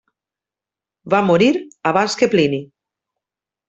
Va morir abans que Plini.